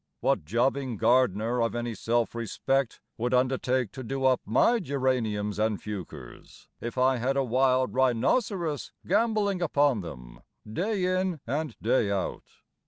What jobbing gardener of any self respect Would undertake to do up my genariums and fuchers If I had a wild rhinoceros gambolling upon them Day in and day out?